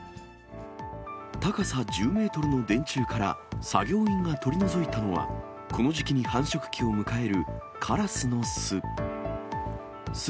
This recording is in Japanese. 高さ１０メートルの電柱から作業員が取り除いたのは、この時期に繁殖期を迎えるカラスの巣。